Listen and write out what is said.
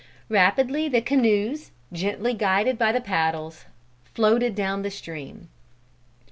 Rapidly the canoes, gently guided by the paddles, floated down the stream.